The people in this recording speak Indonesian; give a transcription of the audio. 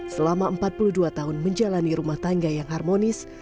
selama empat puluh dua tahun menjalani rumah tangga yang harmonis